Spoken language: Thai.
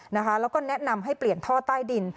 แล้วก็แนะนำให้เปลี่ยนท่อใต้ดิน